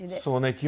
そうね。